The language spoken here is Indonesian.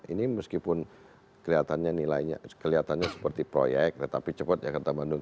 ini meskipun kelihatannya seperti proyek rata api cepat jakarta bandung